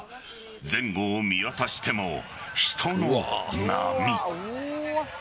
前後を見渡しても、人の波。